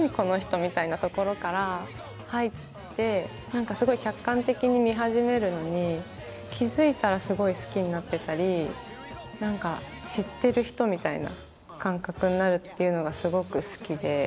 みたいなところから入って何かすごい客観的に見始めるのに気付いたらすごい好きになってたり何か知ってる人みたいな感覚になるっていうのがすごく好きで。